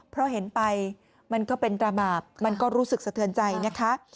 เพราะเห็นไปมันก็เป็นตราบาปมันก็รู้สึกสะเทือนใจนะคะ